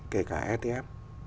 kể cả etf